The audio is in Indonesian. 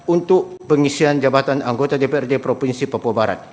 untuk pengisian jabatan anggota dprd provinsi papua barat